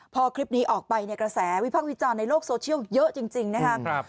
พอคลิปนี้ออกไปเนี่ยกระแสวิพักษ์วิจารณ์ในโลกโซเชียลเยอะจริงนะครับ